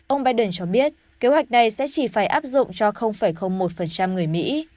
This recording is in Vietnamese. ông biden cho biết kế hoạch này sẽ chỉ phải áp dụng cho một người mỹ